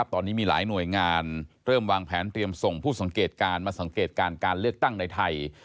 ตอนนี้มีหลายหน่วยงานเริ่มวางแผนเตรียมส่งผู้สังเกตการณ์มาสังเกตการการเลือกตั้งในไทย